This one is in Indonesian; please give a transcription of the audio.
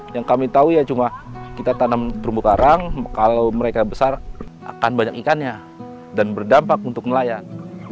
yang kami tahu ya cuma kita tanam terumbu karang kalau mereka besar akan banyak ikannya dan berdampak untuk nelayan